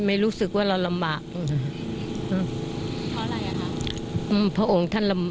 ไม่ควรละกัน